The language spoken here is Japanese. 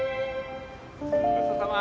ごちそうさま。